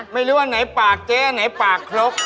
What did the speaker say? ไม่รู้ว่าไหนปากเจ๊ไหนปากครก